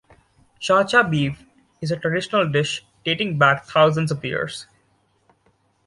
Sha cha beef is a traditional dish dating back thousands of years.